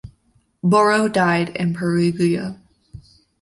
Borro died in Perugia.